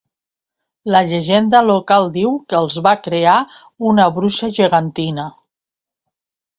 La llegenda local diu que els va crear una bruixa gegantina.